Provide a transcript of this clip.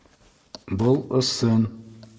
Был ысын!